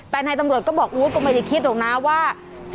แต่นายตำรวจก็บอกรู้ก็ไม่ได้คิดหรอกนะว่า